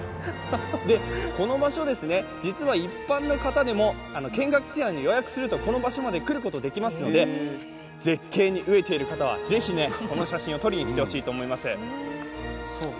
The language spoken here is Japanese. この場所、実は一般の方でも見学ツアーに予約するとこの場所まで来ることができますので、絶景に飢えている方はぜひこの写真を撮りに来てほしいと思います。